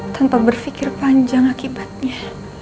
tanpa berfikir panjang akibatnya